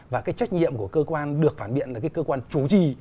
và cái trách nhiệm của cơ quan được phản biện là cái cơ quan chủ trì